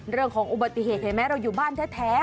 เรื่องของอุบัติเหตุเห็นไหมเราอยู่บ้านแท้